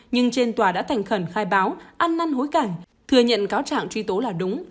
nhưng trên tòa đã thành khẩn khai báo ăn năn hối cảnh thừa nhận cáo trạng truy tố là đúng